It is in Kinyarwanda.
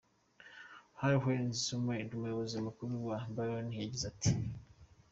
Karl-Heinz Rummenigge, umuyobozi mukuru wa Bayern, yagize ati:.